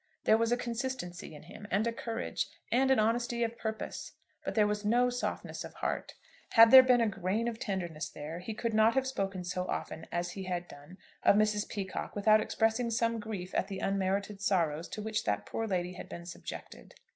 There was a consistency in him, and a courage, and an honesty of purpose. But there was no softness of heart. Had there been a grain of tenderness there, he could not have spoken so often as he had done of Mrs. Peacocke without expressing some grief at the unmerited sorrows to which that poor lady had been subjected.